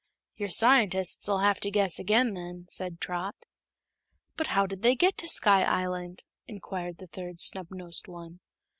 "Your scientists'll have to guess again, then," said Trot. "But how did they get to Sky Island?" inquired the third snubnosed one.